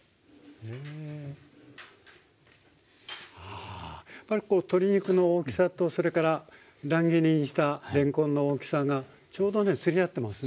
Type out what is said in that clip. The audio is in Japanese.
ああやっぱりこう鶏肉の大きさとそれから乱切りにしたれんこんの大きさがちょうどねつり合ってますね。